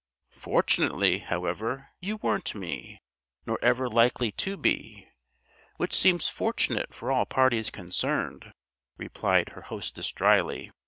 "Fortunately, however, you weren't me, nor ever likely to be, which seems fortunate for all parties concerned," replied her hostess dryly.